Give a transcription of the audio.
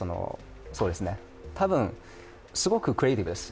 多分、すごくクリエイティブです。